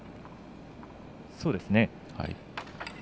そうですね。